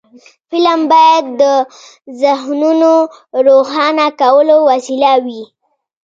فلم باید د ذهنونو روښانه کولو وسیله وي